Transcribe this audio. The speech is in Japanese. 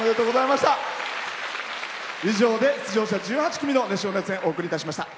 以上で出場者１８組の熱唱・熱演お送りいたしました。